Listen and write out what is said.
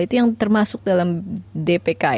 itu yang termasuk dalam dpk